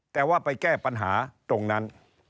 แต่ว่าไปแก้ปัญหาตรงนั้น